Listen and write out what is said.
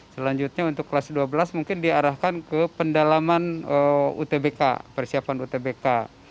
selanjutnya untuk kelas dua belas mungkin diarahkan ke pendalaman utbk persiapan utbk